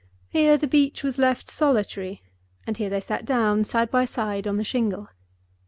Here the beach was left solitary, and here they sat down, side by side, on the shingle.